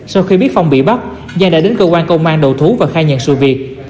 sau khi biết phong bị bắt giang đã đến cơ quan công an đầu thú và khai nhận sự việc